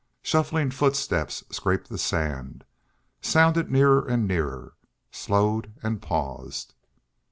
Shuffling footsteps scraped the sand, sounded nearer and nearer, slowed and paused.